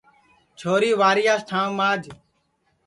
چھوری وارِیاس ٹھانٚو ماج